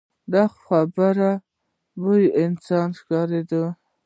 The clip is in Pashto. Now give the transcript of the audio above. د خبرو بویه انسان ښکاره کوي